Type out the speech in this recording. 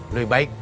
lebih baik tidur